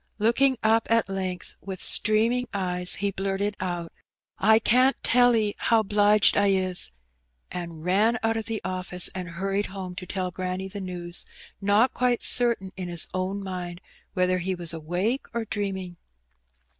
Looking up at length with streaming eyes, he blurted out, ''I can't tell 'e how 'bliged I is," and ran out of the office and hurried home to tell granny the news, not quite certain in his own mind whether he was awake or dreaming.